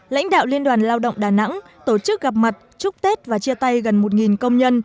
lãnh đạo liên đoàn lao động đà nẵng tổ chức gặp mặt chúc tết và chia tay gần một công nhân